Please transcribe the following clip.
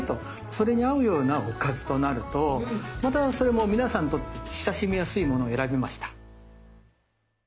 それに合うようなおかずとなるとまたそれも皆さんにとって親しみやすいものを選びました。